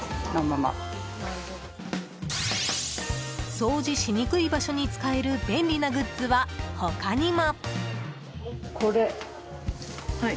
掃除しにくい場所に使える便利なグッズは、他にも。